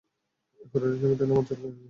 এ পুরো রেজিমেন্টের নাম উজ্জ্বল করেছে।